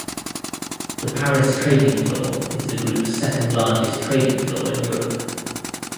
The Paris trading floor is the Group's second largest trading floor in Europe.